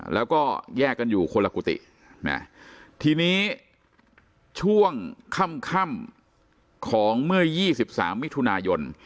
แล้วก็แยกกันอยู่คนละกุฏิทีนี้ช่วงค่ำของเมื่อ๒๓มิถุนายน